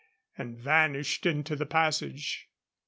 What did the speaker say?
and vanished into the passage.